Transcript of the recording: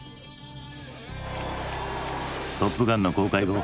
「トップガン」の公開後